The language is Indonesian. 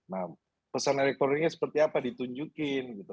nah pesan elektroniknya seperti apa ditunjukin gitu